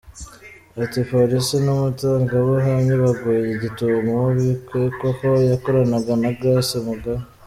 Ati “Polisi n’umutangabuhamya baguye gitumo uwo bikekwa ko yakoranaga na Grace Mugabe.